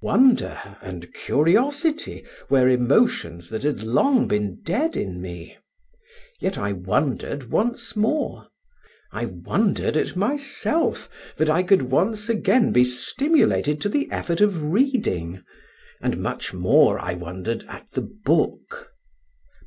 Wonder and curiosity were emotions that had long been dead in me. Yet I wondered once more: I wondered at myself that I could once again be stimulated to the effort of reading, and much more I wondered at the book.